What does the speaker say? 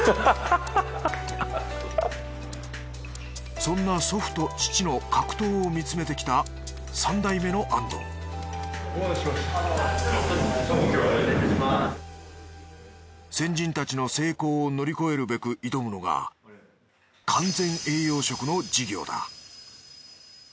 そんな祖父と父の格闘を見つめてきた三代目の安藤先人たちの成功を乗り越えるべく挑むのが完全栄養食の事業だ